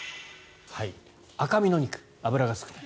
赤身の肉、脂が少ない。